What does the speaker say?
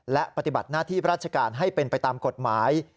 และปฏิบัติหน้าที่ราชการให้เป็นไปตามกฎหมาย